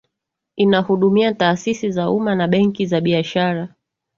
inahudumia taasisi za umma na benki za biashara